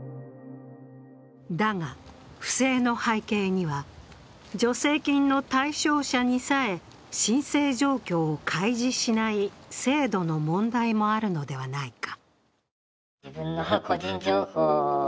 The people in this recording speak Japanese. だが、不正の背景には、助成金の対象者にさえ申請状況を開示しない制度の問題もあるのではないか。